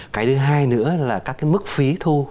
cái thứ hai nữa là các mức phí thu